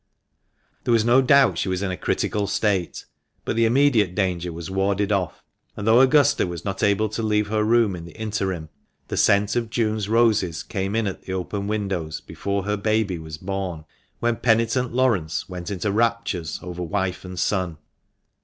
There was no doubt she was in a critical state, but the immediate danger was warded off; and though Augusta was not able to leave her room in the interim, the scent of June's roses came in at the open windows before her baby was born, when penitent Laurence went into raptures over wife and son.